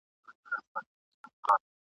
نور که ستا سره کړي مینه لري خپل خپل مطلبونه !.